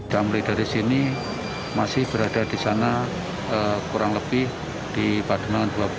damri dari sini masih berada di sana kurang lebih di pademangan dua puluh